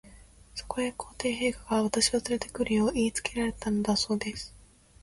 そこへ、皇帝陛下が、私をつれて来るよう言いつけられたのだそうです。